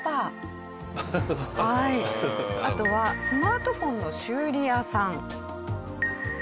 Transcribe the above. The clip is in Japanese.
あとはスマートフォンの修理屋さん。